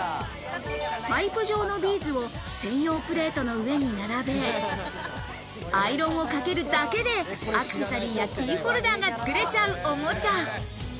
パイプ状のビーズを専用プレートの上に並べ、アイロンをかけるだけで、アクセサリーやキーホルダーが作れちゃうおもちゃ。